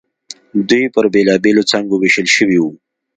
دوی پر بېلابېلو څانګو وېشل شوي وو.